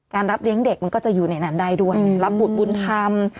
รับเลี้ยงเด็กมันก็จะอยู่ในนั้นได้ด้วยรับบุตรบุญธรรม